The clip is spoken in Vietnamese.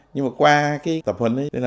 nhưng mà qua cái tập huấn